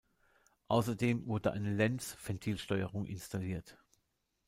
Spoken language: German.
Außerdem wurde eine Lentz-Ventilsteuerung installiert.